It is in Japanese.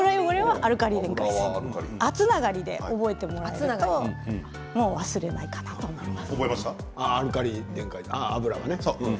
「あ」つながりで覚えてもらうと忘れないかなと思います。